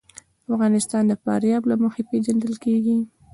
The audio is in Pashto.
افغانستان د فاریاب له مخې پېژندل کېږي.